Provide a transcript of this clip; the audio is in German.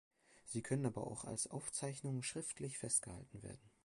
Sie können aber auch als Aufzeichnungen schriftlich festgehalten werden.